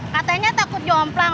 katanya takut jomplang